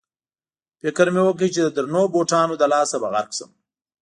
فکر مې وکړ چې د درنو بوټانو له لاسه به غرق شم.